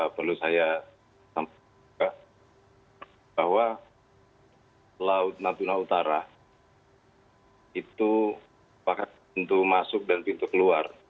perlu saya sampaikan juga bahwa laut natuna utara itu merupakan pintu masuk dan pintu keluar